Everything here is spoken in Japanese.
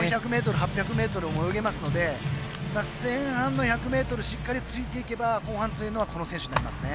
４００ｍ８００ｍも泳げますので前半の１００ｍしっかりついていけば後半強いのはこの選手になりますね。